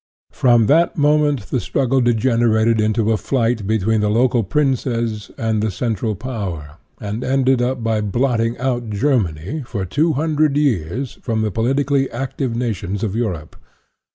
From that moment the struggle degenerated into a fight between the local princes and the central power, and ended by blotting out Germany, for two hundred years, from the politically active nations of Europe.